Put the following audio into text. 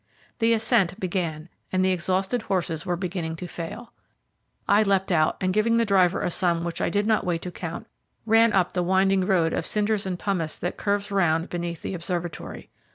The ascent began, and the exhausted horses were beginning to fail. I leapt out, and giving the driver a sum which I did not wait to count, ran up the winding road of cinders and pumice that curves round beneath the observatory.